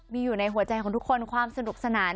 มีอยู่ในหัวใจของทุกคนความสนุกสนาน